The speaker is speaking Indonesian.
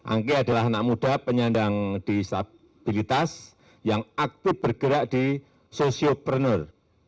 angke adalah anak muda penyandang disabilitas yang aktif bergerak di sosiopreneur